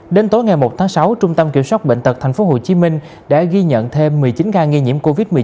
đến tối ngày một tháng sáu trung tâm kiểm soát bệnh tật tp hcm đã ghi nhận thêm một mươi chín ca nghi nhiễm covid một mươi chín